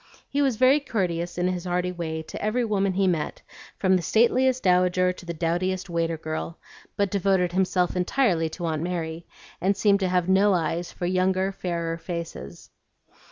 He was very courteous in his hearty way to every woman he met, from the stateliest dowager to the dowdiest waiter girl, but devoted himself entirely to Aunt Mary, and seemed to have no eyes for younger fairer faces.